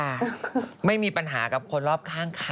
มั่นแบบไม่มีปัญหากับคนรอบข้างค่ะ